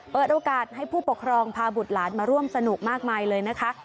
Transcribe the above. เปิดโอกาสให้ผู้ปกครองพาบุตรหลานมาร่วมสนุกมากมายเลยนะคะ